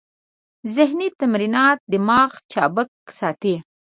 ذهني تمرینات دماغ چابک ساتي.